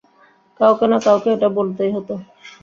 কাউকে না কাউকে এটা বলতেই হতো।